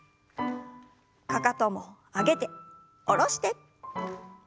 かかとも上げて下ろして。